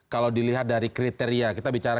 kalau dilihat dari kriteria kita bicara